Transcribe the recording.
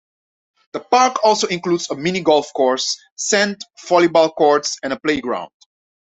The park also includes a mini golf course, sand volleyball courts and a playground.